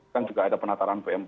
kan juga ada penataran p empat